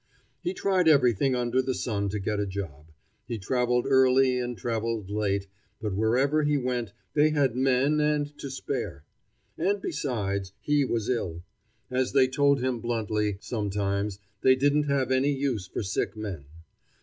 He tried everything under the sun to get a job. He traveled early and traveled late, but wherever he went they had men and to spare. And besides, he was ill. As they told him bluntly, sometimes, they didn't have any use for sick men.